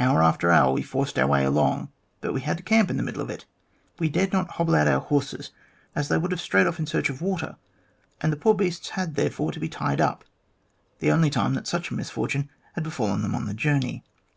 Hour after hour we forced our way along, but we had to camp in the middle of it. We dared not hobble out our horses, ;as they would have strayed off in search of water, and the poor beasts had therefore to be tied up, the only time that such a mis fortune had befallen them on the journey.